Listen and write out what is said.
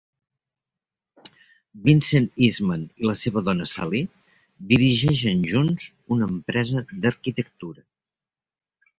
Vincent Eastman i la seva dona, Sally, dirigeixen junts una empresa d'arquitectura.